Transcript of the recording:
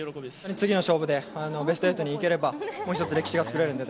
次の勝負でベスト８にいければもう１つ歴史が作れるので